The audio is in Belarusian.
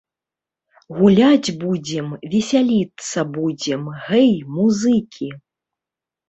Гуляць будзем, весяліцца будзем, гэй, музыкі.